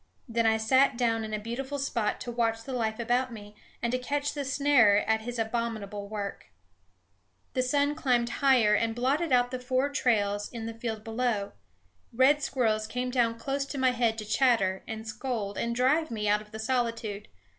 Then I sat down in a beautiful spot to watch the life about me, and to catch the snarer at his abominable work. The sun climbed higher and blotted out the four trails in the field below. Red squirrels came down close to my head to chatter and scold and drive me out of the solitude.